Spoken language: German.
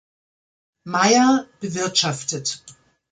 Meier, bewirtschaftet.